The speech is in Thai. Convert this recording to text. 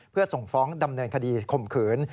เพื่อส่งฟ้องดำเนินคดีข่มขืน